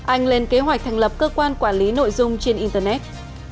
anh lên kế hoạch thành lập cơ quan quản lý nội dung trên internet